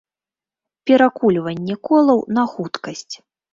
Перакульванне колаў на хуткасць.